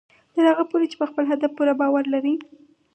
تر هغه پورې چې په خپل هدف پوره باور لرئ